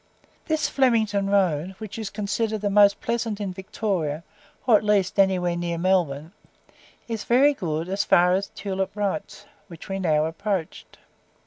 This Flemington road (which is considered the most Pleasant in Victoria, or at least anywhere near Melbourne) is very good as far as Tulip Wright's, which we now approached.